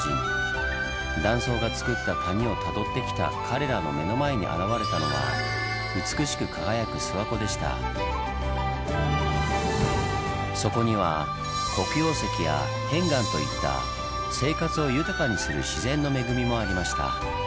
断層がつくった谷をたどってきた彼らの目の前に現れたのはそこには黒曜石や片岩といった生活を豊かにする自然の恵みもありました。